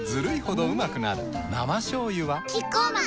生しょうゆはキッコーマン